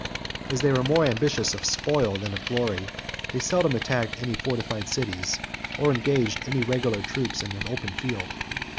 As they were more ambitious of spoil than of glory, they seldom attacked any fortified cities, or engaged any regular troops in the open field.